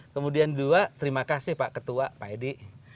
kemudian dua terima kasih pak ketua pak edi